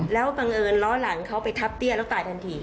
แล้วบังเอิญล้อหลังเขาไปทับเตี้ยแล้วตายทันที